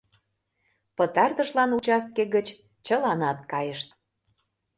Пытартышлан участке гыч чыланат кайышт.